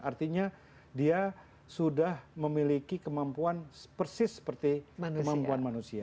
artinya dia sudah memiliki kemampuan persis seperti kemampuan manusia